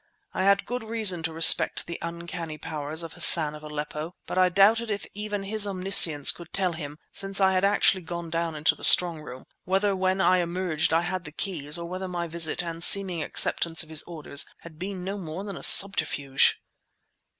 I had good reason to respect the uncanny powers of Hassan of Aleppo, but I doubted if even his omniscience could tell him (since I had actually gone down into the strong room) whether when I emerged I had the keys, or whether my visit and seeming acceptance of his orders had been no more than a subterfuge!